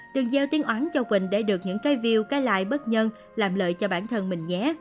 đừng giao tiếng oán cho quỳnh để được những cái view cái lại bất nhân làm lợi cho bản thân mình nhé